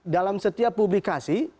dalam setiap publikasi